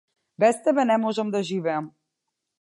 Без тебе не можам да живеам.